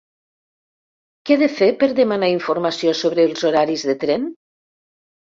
Què he de fer per demanar informació sobre els horaris de tren?